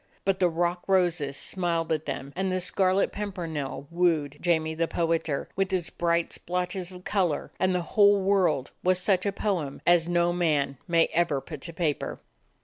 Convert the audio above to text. But the rock roses smiled at them and the scarlet pimpernel wooed Jamie the Poeter with its bright splotches of color, and the 76 A DOG OF THE ETTRICK HILLS whole world was such a poem as no man may ever put to paper.